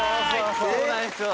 そうなんですよ。